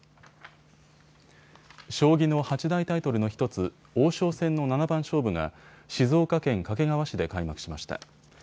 将棋の八大タイトルの１つ、王将戦の七番勝負が静岡県掛川市で開幕しました。